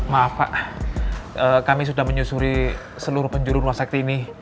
maaf pak kami sudah menyusuri seluruh penjuru rumah sakit ini